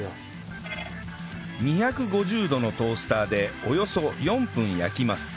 ２５０度のトースターでおよそ４分焼きます